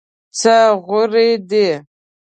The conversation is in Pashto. څه غورې دي.